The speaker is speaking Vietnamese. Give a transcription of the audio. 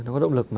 nó có động lực mà